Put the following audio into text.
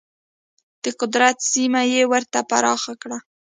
د قدرت سیمه یې ورته پراخه کړه.